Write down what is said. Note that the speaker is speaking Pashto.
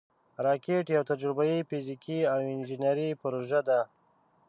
راکټ یوه تجربهاي، فزیکي او انجینري پروژه ده